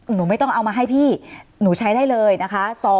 หนูไม่ต้องเอามาให้พี่หนูใช้ได้เลยนะคะ